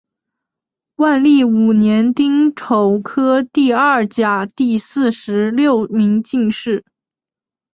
万历五年丁丑科第二甲第四十六名进士。